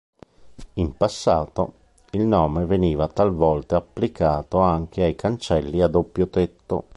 In passato, il nome veniva talvolta applicato anche ai cancelli a doppio tetto.